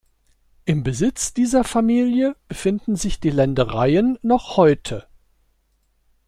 Im Besitz dieser Familie befinden sich die Ländereien noch heute.